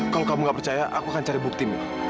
kalau kamu nggak percaya aku akan cari bukti milla